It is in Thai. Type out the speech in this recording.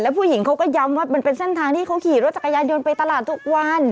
ผู้หญิงเขาก็ย้ำว่ามันเป็นเส้นทางที่เขาขี่รถจักรยานยนต์ไปตลาดทุกวัน